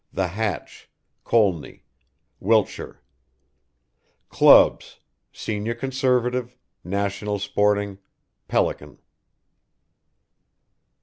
The Hatch, Colney, Wilts. Clubs, Senior Conservative, National Sporting, Pelican.